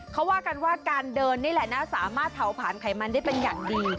เขาว่ากันว่าการเดินนี่แหละนะสามารถเผาผ่านไขมันได้เป็นอย่างดี